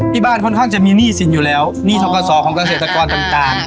บ้านค่อนข้างจะมีหนี้สินอยู่แล้วหนี้ทกศของเกษตรกรต่าง